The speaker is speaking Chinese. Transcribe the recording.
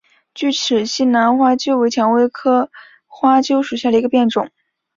巨齿西南花楸为蔷薇科花楸属下的一个变种。